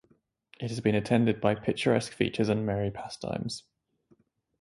It has been attended by picturesque features and merry pastimes.